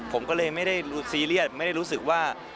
ผมก็เลยไม่ได้ซีเรียสไม่ได้รู้สึกว่า